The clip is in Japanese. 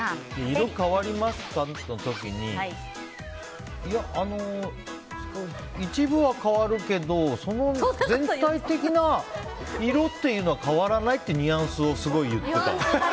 色変わりますか？の時にいや、あのー一部は変わるけど全体的な色っていうのは変わらないってニュアンスをすごい言ってた。